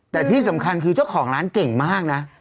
แต่ที่สำคัญคือเจ้าของร้านเก่งมากนะ